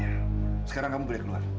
ya sekarang kamu boleh keluar